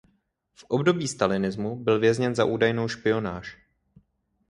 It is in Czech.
V období stalinismu byl vězněn za údajnou špionáž.